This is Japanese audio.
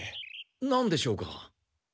なんでしょうか？